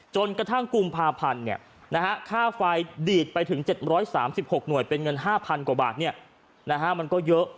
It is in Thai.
จนกระทั่งกุมภาพันธุ์เนี่ยนะฮะค่าไฟดีดไปถึง๗๓๖หน่วยเป็นเงิน๕๐๐๐กว่าบาทเนี่ยนะฮะมันก็เยอะ